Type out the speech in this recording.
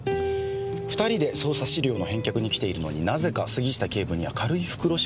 ２人で捜査資料の返却に来ているのになぜか杉下警部には軽い袋しか持っていただけなかった。